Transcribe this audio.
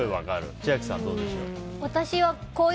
千秋さん、どうでしょう？